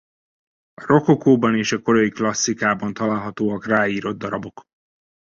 A rokokóban és a korai klasszikában találhatóak rá írott darabok.